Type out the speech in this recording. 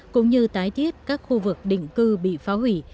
cũng như tái thiết các khu vực định cư bị phá hủy